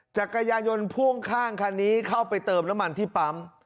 จักรยายนพ่วงข้างคันนี้เข้าไปเติมน้ำมันที่ปั๊ม